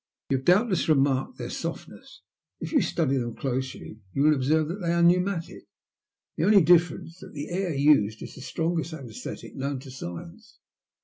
*' You have doubtless remarked their softness. If you study them closely you will observe that they are pneumatic. The only difference is that the air used is the strongest anaesthetic known to science.